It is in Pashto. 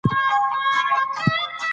د اسلام د سیاسي نظام اهداف درې دي.